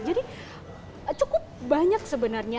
jadi cukup banyak sebenarnya